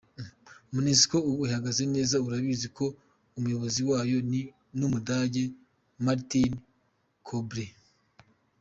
Monusco ubu ihagaze neza urabizi ko umuyobozi wayo ni n’ Umudage Martin Kobler.